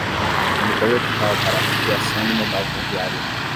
Publicou o edital para ampliação do modal ferroviário